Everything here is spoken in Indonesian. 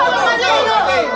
bukan pak haji